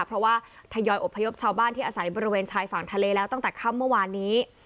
เพราะว่าทยอยอบพยพชาวบ้านที่อาศัยบริเวณชายฝั่งทะเลแล้วตั้งแต่ค่ำเมื่อวานนี้